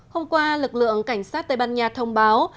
hôm qua lực lượng cảnh sát tây ban nha thông báo